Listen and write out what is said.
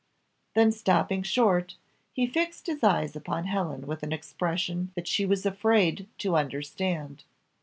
Then stopping short, he fixed his eyes upon Helen with an expression that she was afraid to understand.